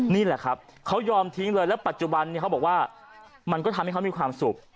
นี่แหละครับเขายอมทิ้งเลยแล้วปัจจุบันนี้เขาบอกว่ามันก็ทำให้เขามีความสุข